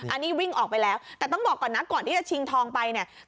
อันนี้วิ่งออกไปแล้วแต่ต้องบอกก่อนนะก่อนที่จะชิงทองไปเนี่ย